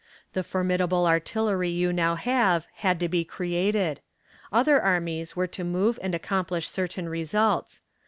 The formidable artillery you now have had to be created. Other armies were to move and accomplish certain results.